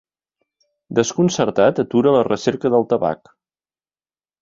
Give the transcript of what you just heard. Desconcertat, atura la recerca del tabac.